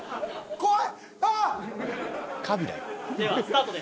怖い。